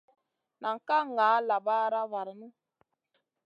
Nan ka ŋa labaɗa vanu.